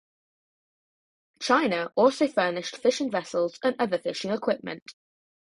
China also furnished fishing vessels and other fishing equipment.